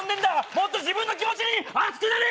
もっと自分の気持ちに熱くなれ！